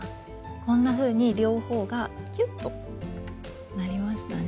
こんなふうに両方がキュッとなりましたね。